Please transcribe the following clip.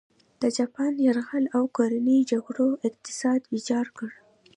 د جاپان یرغل او کورنۍ جګړو اقتصاد ویجاړ کړ.